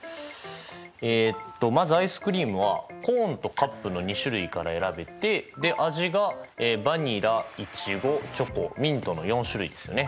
えっとまずアイスクリームはコーンとカップの２種から選べて味がバニラいちごチョコミントの４種類ですよね。